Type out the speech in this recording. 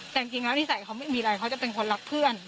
แต่จริงแล้วนิสัยเขาไม่มีอะไรเขาจะเป็นคนรักเพื่อน